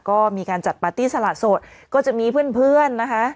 ก็มีการจัดปาร์ตี้สละสดก็จะมีเพื่อนนะคะ